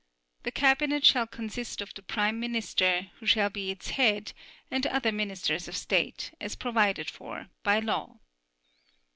The Cabinet shall consist of the Prime Minister, who shall be its head, and other Ministers of State, as provided for by law.